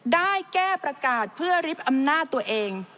ได้แก้ประกาศเพื่อริบอำนาจตัวเอง